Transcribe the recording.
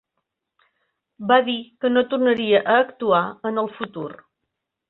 Va dir que no tornaria a actuar en el futur.